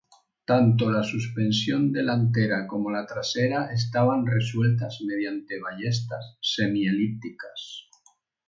Tanto la suspensión delantera como la trasera estaban resueltas mediante ballestas semi-elípticas.